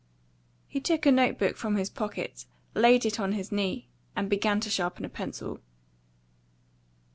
He took a note book from his pocket, laid it on his knee, and began to sharpen a pencil.